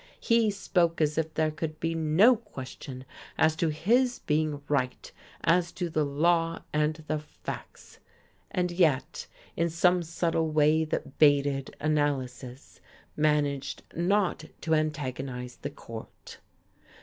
He spoke as if there could be no question as to his being right as to the law and the facts, and yet, in some subtle way that bated analysis, managed not to antagonize the court.